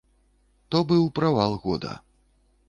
То быў правал года.